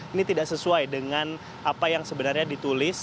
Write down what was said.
ini tidak sesuai dengan apa yang sebenarnya ditulis